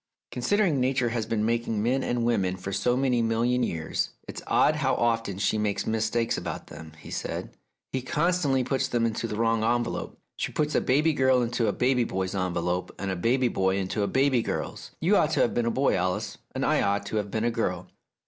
"Considering Nature has been making men and women for so many million years, it's odd how often she makes mistakes about them," he said. "She constantly puts them into the wrong envelope : she 268 The Tragedy of Oliver Bowman puts a baby girl into a baby boy's envelope, and a baby boy into a baby girl's. You ought to have been a boy, Alice, and I ought to have been a girl."